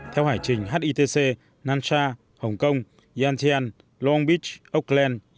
theo hải trình hitc nansha hồng kông yantian long beach oakland